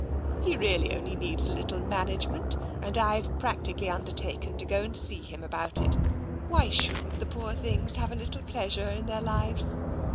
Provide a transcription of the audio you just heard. He really only needs a little management, and I've practically undertaken to go and see him about it. Why shouldn't the poor things have a little pleasure in their lives?